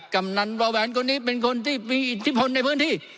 กำนันวาแหวนคนนี้เป็นคนที่มีอิทธิพลในพื้นที่